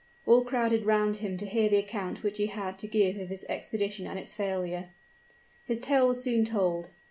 All crowded round him to hear the account which he had to give of his expedition and its failure. His tale was soon told.